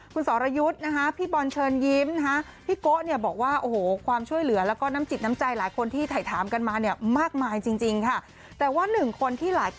คุณสอรยุทธ์นะคะพี่บอนเชิญยิ้มนะคะพี่โกะเนี่ยบอกว่าโอ้โหความช่วยเหลือแล้วก็น้ำจิตน้ำใจหลายคนที่ถ่ายถามกันมาเนี่ยมากมายจริงค่ะ